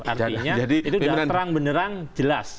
artinya itu sudah terang benerang jelas